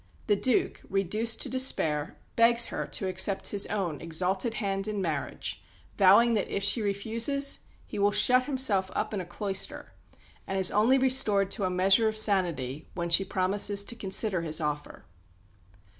The Duke, reduced to despair, begs her to accept his own exalted hand in marriage, vowing that, if she refuses, he will "shut himself up in a cloister"; and is only restored to a measure of sanity when she promises to consider his offer.